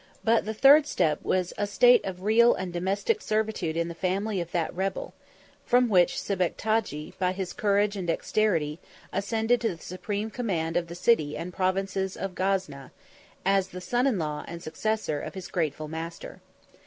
But the third step was a state of real and domestic servitude in the family of that rebel; from which Sebectagi, by his courage and dexterity, ascended to the supreme command of the city and provinces of Gazna, 3 as the son in law and successor of his grateful master.